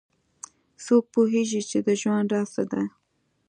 څوک پوهیږي چې د ژوند راز څه ده